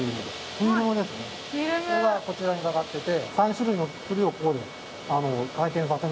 これがこちらにかかってて。